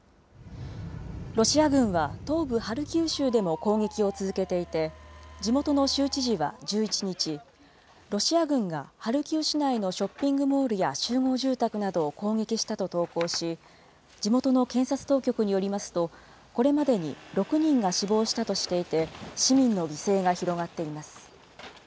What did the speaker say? ロシア軍は東部ハルキウ州でも攻撃を続けていて、地元の州知事は１１日、ロシア軍がハルキウ市内のショッピングモールや集合住宅などを攻撃したと投稿し、地元の検察当局によりますと、これまでに６人が死亡したとしていて、市民の犠牲が広がっています。